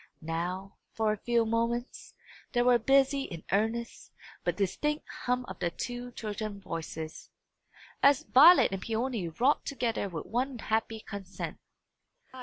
Now, for a few moments, there was a busy and earnest, but indistinct hum of the two children's voices, as Violet and Peony wrought together with one happy consent.